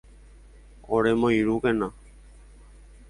Oremoirũkena